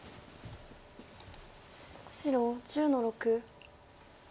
白１０の六。